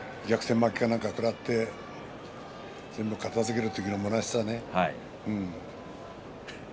負けか何か食らって全部片づける時のむなしさね。